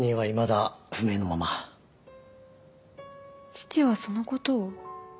父はそのことを？